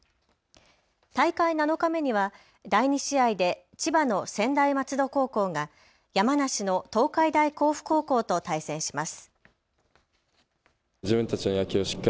大会７日目には第２試合で千葉の専大松戸高校が山梨の東海大甲府高校と対戦します。